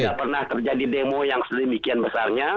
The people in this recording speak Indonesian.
tidak pernah terjadi demo yang sedemikian besarnya